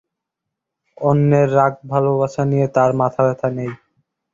অন্যের রাগ ভালবাসা নিয়ে তাঁর মাথাব্যথা নেই।